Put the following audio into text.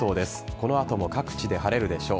この後も各地で晴れるでしょう。